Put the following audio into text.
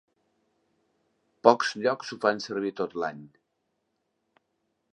Pocs llocs ho fan servir tot l'any.